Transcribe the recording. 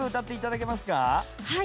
はい。